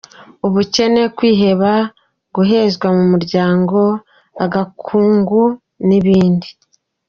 Ubukene, kwiheba, guhezwa mu muryango, agakungu n’ibindi.